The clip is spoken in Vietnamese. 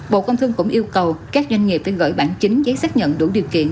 bộ công thương cũng yêu cầu các doanh nghiệp phải gửi bản chính giấy xác nhận đủ điều kiện